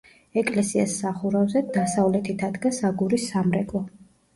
ეკლესიას სახურავზე, დასავლეთით ადგას აგურის სამრეკლო.